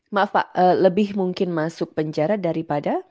maaf pak lebih mungkin masuk penjara daripada